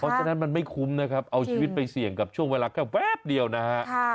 เพราะฉะนั้นมันไม่คุ้มนะครับเอาชีวิตไปเสี่ยงกับช่วงเวลาแค่แวบเดียวนะฮะ